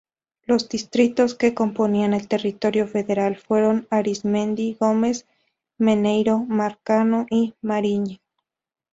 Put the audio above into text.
Los distritos que componían el territorio federal fueron Arismendi, Gómez, Maneiro, Marcano y Mariño.